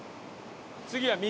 次は右？